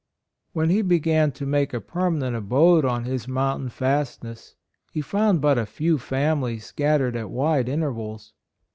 When he began to make a per manent abode on his mountain fast ness, he found but a few families, scattered at wide intervals.